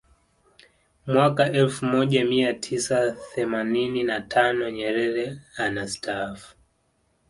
Mwaka elfu moja mia tisa themanini na tano Nyerere anastaafu